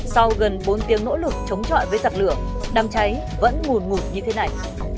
sau gần bốn tiếng nỗ lực chống chọi với giật lửa đám cháy vẫn ngùn ngùn như thế này